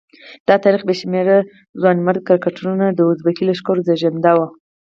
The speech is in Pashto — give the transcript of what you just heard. د تاریخ بې شمېره ځوانمراده کرکټرونه د اربکي لښکرو زېږنده وو.